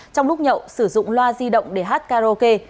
trong lúc nhậu sử dụng loa di động để hát karaoke